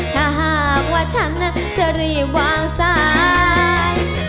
ถ้าหากว่าฉันจะรีบวางสาย